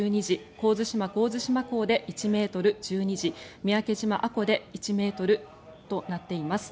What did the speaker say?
神津島・神津島港で１ｍ、１２時三宅島・阿古で１ｍとなっています。